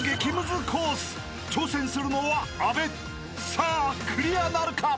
［さあクリアなるか！？］